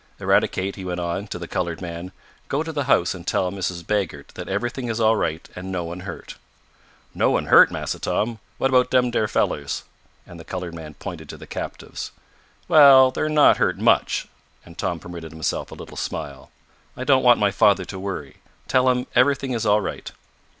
"Eradicate," he went on, to the colored man, "go to the house and tell Mrs. Baggert that everything is all right and no one hurt." "No one hurt, Massa Tom? What about dem dere fellers?" and the colored man pointed to the captives. "Well, they're not hurt much," and Tom permitted himself a little smile. "I don't want my father to worry. Tell him everything is all right."